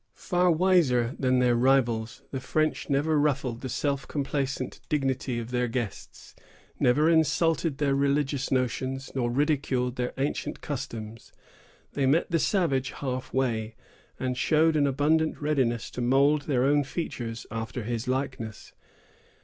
Far wiser than their rivals, the French never ruffled the self complacent dignity of their guests, never insulted their religious notions, nor ridiculed their ancient customs. They met the savage half way, and showed an abundant readiness to mould their own features after his likeness.